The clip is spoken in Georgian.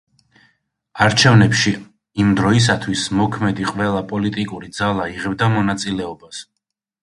არჩევნებში იმ დროისთვის მოქმედი ყველა პოლიტიკური ძალა იღებდა მონაწილეობას.